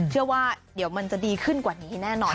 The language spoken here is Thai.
เชื่อว่าเดี๋ยวมันจะดีขึ้นกว่านี้แน่นอน